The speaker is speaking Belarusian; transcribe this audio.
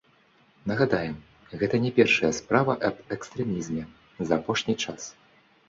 Нагадаем, гэта не першая справа аб экстрэмізме за апошні час.